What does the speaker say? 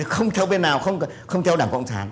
không theo bên nào không theo đảng cộng sản